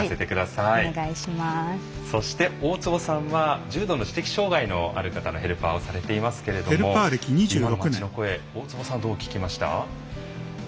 そして大坪さんは重度の知的障害のある方のヘルパーをされていますけども今の街の声、大坪さんはどう聞きました？